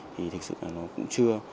thì thực sự là nó cũng chưa